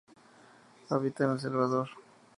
Habita en El Salvador.